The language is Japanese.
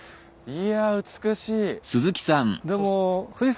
いや美しい。